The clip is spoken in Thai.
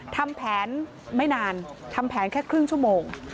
ทำแผนไม่นานทำแผนแค่ครึ่งชั่วโมง